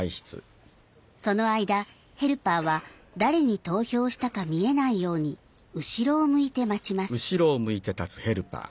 その間、ヘルパーは誰に投票したか見えないように後ろを向いて待ちます。